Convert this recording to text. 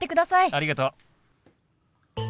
ありがとう。